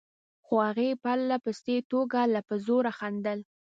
خو هغې په پرله پسې توګه لا په زوره خندل.